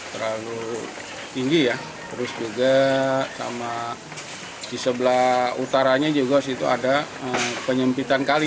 terlalu tinggi ya terus juga sama di sebelah utaranya juga situ ada penyempitan kali